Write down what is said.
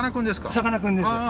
さかなクンです。